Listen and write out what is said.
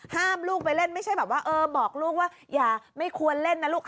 ลูกไปเล่นไม่ใช่แบบว่าเออบอกลูกว่าอย่าไม่ควรเล่นนะลูก